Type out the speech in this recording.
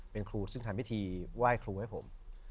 เป็นครูซึ่งทำพิธีไหว้ครูให้ผม